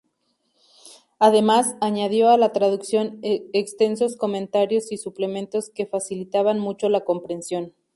Además, añadió a la traducción extensos comentarios y suplementos que facilitaban mucho la comprensión.